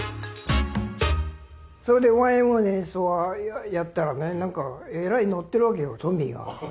それでＹＭＯの演奏をやったらね何かえらいノッてるわけよトミーが。